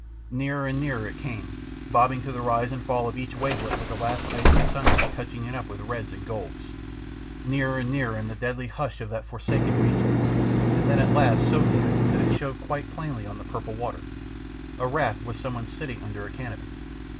Nearer and nearer it came, bobbing to the rise and fall of each wavelet with the last icy sunlight touching it up with reds and golds, nearer and nearer in the deadly hush of that forsaken region, and then at last so near it showed quite plainly on the purple water, a raft with some one sitting under a canopy.